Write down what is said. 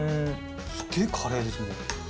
すっげえカレーですね。